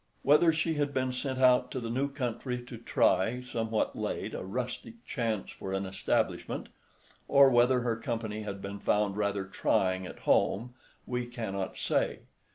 Whether she had been sent out to the new country to try, somewhat late, a rustic chance for an establishment, or whether her company had been found rather trying at home, we cannot say.